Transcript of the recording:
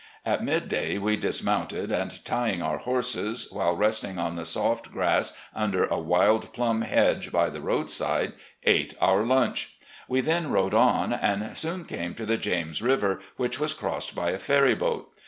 At midday we dismounted, and, tying our horses while resting on the soft grass imder a wild plum hedge by the roadside, ate our lunch. We then rode on, and soon came to the James River, which was crossed by a ferry boat.